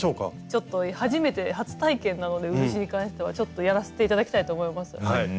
ちょっと初めて初体験なので漆に関してはちょっとやらせて頂きたいと思います。